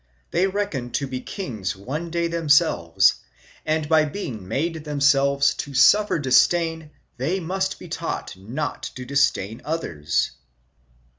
OF APOLLONIUS, BOOK III one day themselves, and by being made themselves to suffer disdain they must be taught not to disdain others."